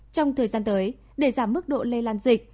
trong thời gian tới để giảm mức độ lây lan dịch